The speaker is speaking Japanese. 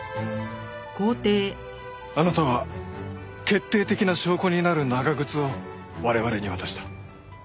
あなたは決定的な証拠になる長靴を我々に渡した。